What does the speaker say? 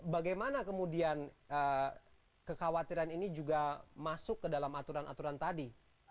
bagaimana kemudian kekhawatiran ini juga masuk ke dalam aturan aturan tadi